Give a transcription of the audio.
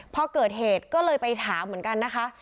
พอเกิดเหตุก็เลยไปถามเหมือนกันนะคะ